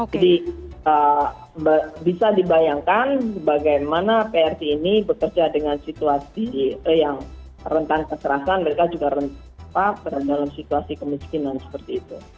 jadi bisa dibayangkan bagaimana prt ini bekerja dengan situasi yang rentan keserasan mereka juga rentan dalam situasi kemiskinan seperti itu